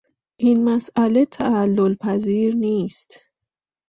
این مسئله تعللپذیر نیست.